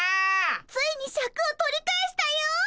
ついにシャクを取り返したよ！